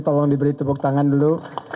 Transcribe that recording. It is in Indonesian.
tolong diberi tepuk tangan dulu